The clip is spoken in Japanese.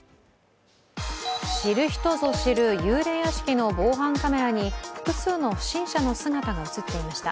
知る人ぞ知る幽霊屋敷の防犯カメラに複数の不審者の姿が映っていました。